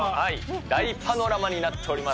大パノラマになっております。